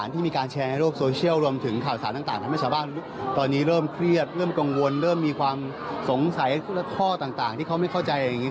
ที่มีการแชร์ในโลกโซเชียลรวมถึงข่าวสารต่างทำให้ชาวบ้านตอนนี้เริ่มเครียดเริ่มกังวลเริ่มมีความสงสัยและข้อต่างที่เขาไม่เข้าใจอย่างนี้